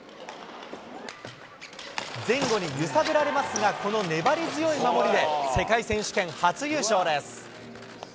前後に揺さぶられますが、この粘り強い守りで世界選手権初優勝です。